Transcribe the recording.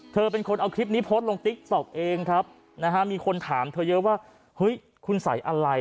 เธอเป็นคนเอาคลิปนี้โพสต์ลงติ๊กต๊อกเองครับนะฮะมีคนถามเธอเยอะว่าเฮ้ยคุณใส่อะไร